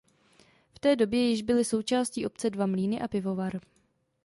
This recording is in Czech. V té době již byly součástí obce dva mlýny a pivovar.